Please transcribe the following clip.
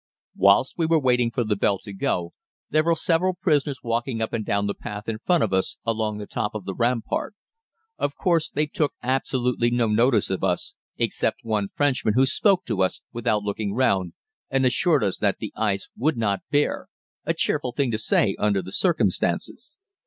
Whilst we were waiting for the bell to go, there were several prisoners walking up and down the path in front of us, along the top of the rampart. Of course they took absolutely no notice of us, except one Frenchman who spoke to us without looking round and assured us that the ice would not bear a cheerful thing to say under the circumstances.